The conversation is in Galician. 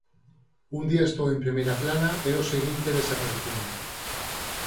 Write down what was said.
Un día estou en primeira plana e ao seguinte desaparecín».